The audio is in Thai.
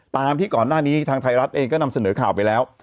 ตามที่ก่อนหน้านี้ทางไทยรัฐเองก็นำเสนอข่าวไปแล้ว